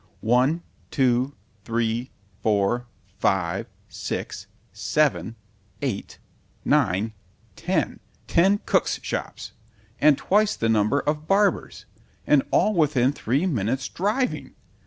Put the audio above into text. One—two—three—four—five—six—seven—eight—nine—ten.—Ten cooks shops! and twice the number of barbers! and all within three minutes driving!